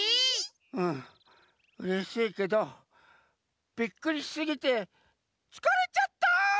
うんうれしいけどビックリしすぎてつかれちゃった！